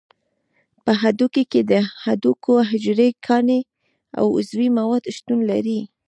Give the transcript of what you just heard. په هډوکي کې د هډوکو حجرې، کاني او عضوي مواد شتون لري.